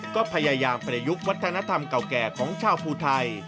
ก็พยายามประยุกต์วัฒนธรรมเก่าแก่ของชาวภูไทย